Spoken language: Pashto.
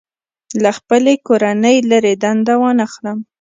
له خپلې کورنۍ لرې دنده وانخلم.